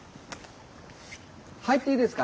入っていいですか？